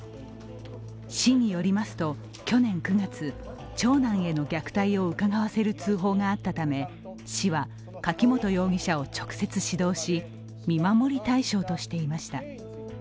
市によりますと、去年９月、長男への虐待をうかがわせる通報があったため市は柿本容疑者を直接指導し、見守り対象としていました。